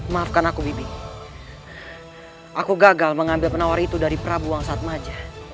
maafkan aku bibi aku gagal mengambil penawar itu dari prabuang saatmaja